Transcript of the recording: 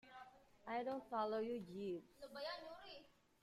I don't follow you, Jeeves.